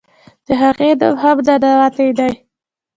د هغې نوم هم "ننواتې" دے.